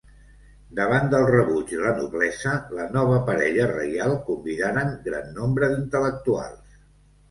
Davant del rebuig de la noblesa, la nova parella reial convidaren gran nombre d'intel·lectuals.